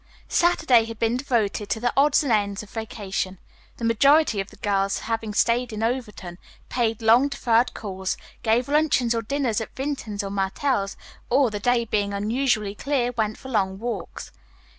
Saturday had been devoted to the "odds and ends" of vacation. The majority of the girls, having stayed in Overton, paid long deferred calls, gave luncheons or dinners at Vinton's or Martell's, or, the day being unusually clear, went for long walks.